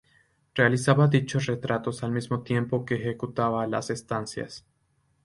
Realizaba dichos retratos al mismo tiempo que ejecutaba las estancias.